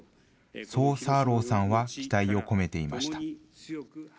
そうサーローさんは期待を込めていました。